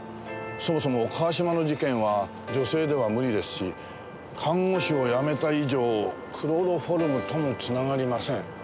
そもそも川島の事件は女性では無理ですし看護師を辞めた以上クロロホルムとも繋がりません。